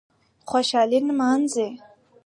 خوشالي نمانځي